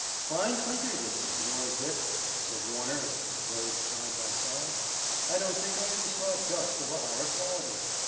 "Fine country, this of yours, Dick," said Warner as they rode side by side. "I don't think I ever saw dust of a higher quality.